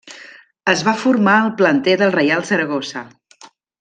Es va formar al planter del Reial Saragossa.